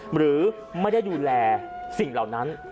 หรือไม่ได้ดูแลสิ่งเหล่านั้น